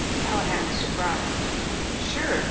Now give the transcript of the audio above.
Callahan was surprised. "Sure."